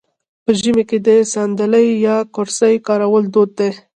په ژمي کې د ساندلۍ یا کرسۍ کارول دود دی.